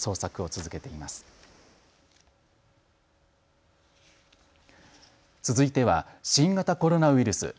続いては新型コロナウイルス。